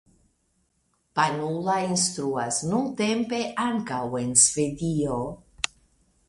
Panula instruas nuntempe ankaŭ en Svedio.